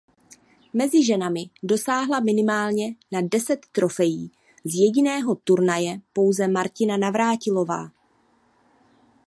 Mezi ženami dosáhla minimálně na deset trofejí z jediného turnaje pouze Martina Navrátilová.